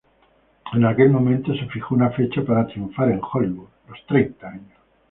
En aquel momento se fijó una fecha para triunfar en Hollywood: los treinta años.